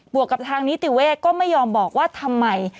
วกกับทางนิติเวศก็ไม่ยอมบอกว่าทำไม